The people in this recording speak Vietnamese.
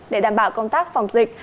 để đảm bảo công tác phòng dịch